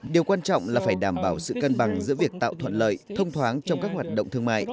điều quan trọng là phải đảm bảo sự cân bằng giữa việc tạo thuận lợi thông thoáng trong các hoạt động thương mại